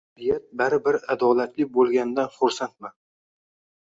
Tabiat baribir adolatli bo'lganidan xursandman